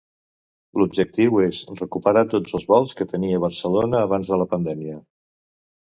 L'objectiu és recuperar tots els vols que tenia Barcelona abans de la pandèmia.